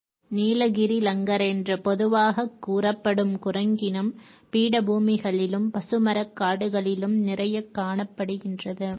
நீலகிரிலங்கர் என்று பொதுவாகக் கூறப்படும் குரங்கினம், பீடபூமிகளிலும், பசுமரக் காடுகளிலும் நிறையக் காணப்படுகின்றது.